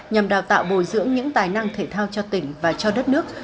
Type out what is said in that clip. nhằm đào tạo bồi dưỡng những tài năng thể thao cho tỉnh và cho đất nước